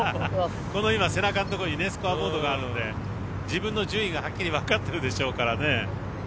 この今、背中のところにスコアボードがあって自分の順位がはっきりわかってるでしょうからね。